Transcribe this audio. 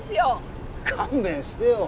勘弁してよ。